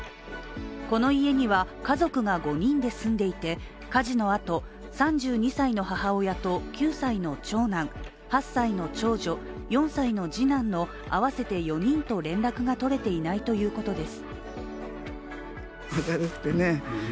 この家には家族が５人で住んでいて火事のあと、３２歳の母親と９歳の長男、８歳の長女、４歳の次男の合わせて４人と連絡が取れていないということです。